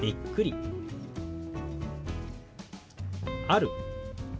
「ある」。